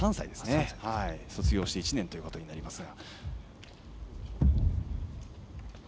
大学を卒業して１年ということになりますが。